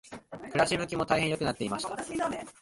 暮し向きも大変良くなっていました。